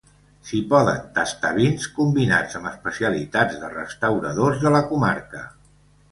Si poden tastar vins, combinats amb especialitats de restauradors de la comarca.